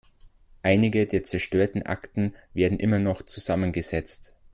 Einige der zerstörten Akten werden immer noch zusammengesetzt.